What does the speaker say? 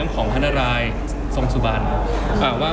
คุณต้องไปคุยกับทางเจ้าหน้าที่เขาหน่อย